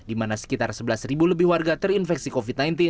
di mana sekitar sebelas lebih warga terinfeksi covid sembilan belas